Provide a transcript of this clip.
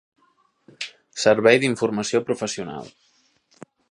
Servei d'informació professional